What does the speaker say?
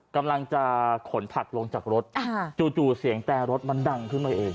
กำลังจะขนผักลงจากรถจู่เสียงแต่รถมันดังขึ้นมาเอง